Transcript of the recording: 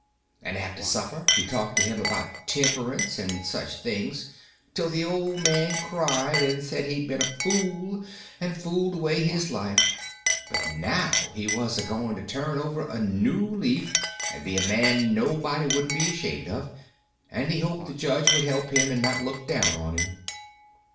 And after supper he talked to him about temperance and such things till the old man cried, and said he'd been a fool, and fooled away his life; but now he was a going to turn over a new leaf and be a man nobody wouldn't be ashamed of, and he hoped the judge would help him and not look down on him.